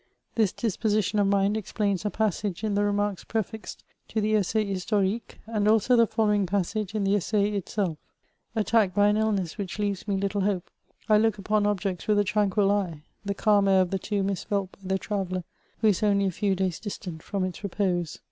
1 ms disposition of mind explains a passage in the remarks prefixed to the Essai JERstorique^ and also the following passage in the Essai itself: —^^ Attacked by an illness which leaves me little hope, I look upon objects with a tranquil eye ; the calm air of the tomb is felt by the traveller who is only a few days distant fit>m its repose.''